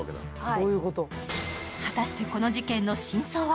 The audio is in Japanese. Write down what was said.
果たして、この事件の真相は？